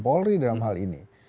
polri dalam hal ini